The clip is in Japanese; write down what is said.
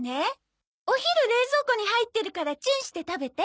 お昼冷蔵庫に入ってるからチンして食べて。